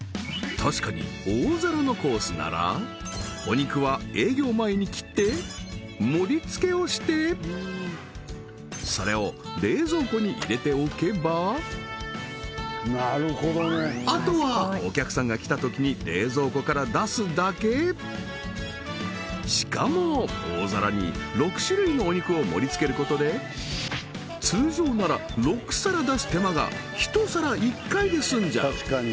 確かに大皿のコースならお肉は営業前に切って盛りつけをしてそれを冷蔵庫に入れておけばあとはお客さんが来た時に冷蔵庫から出すだけしかも大皿に６種類のお肉を盛りつけることで通常なら６皿出す手間が１皿１回で済んじゃう